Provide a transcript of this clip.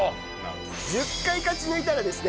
１０回勝ち抜いたらですね